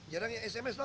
jarangnya sms loh